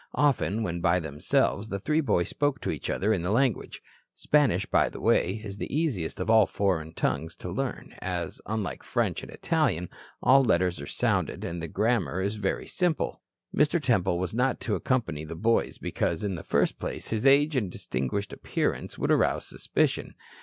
Often, when by themselves, the three boys spoke to each other in the language. Spanish, by the way, is the easiest of all foreign tongues to learn, as, unlike French and Italian, all letters are sounded, and the grammar is very simple. Mr. Temple was not to accompany the boys because, in the first place, his age and distinguished appearance would arouse suspicion.